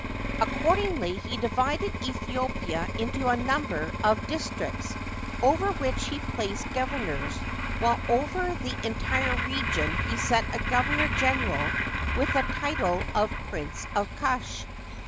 Accordingly, he divided Aethiopia into a number of dis tricts, over which he placed governors, while over the entire region he set a governor general with the title of " Prince of Kush."